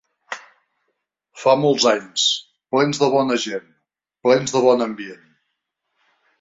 Fa molts anys, plens de bona gent, plens de bon ambient.